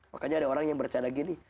makanya ada orang yang bercanda gini